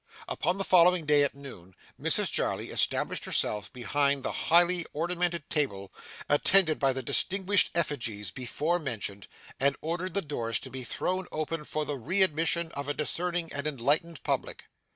Upon the following day at noon, Mrs Jarley established herself behind the highly ornamented table, attended by the distinguished effigies before mentioned, and ordered the doors to be thrown open for the readmission of a discerning and enlightened public.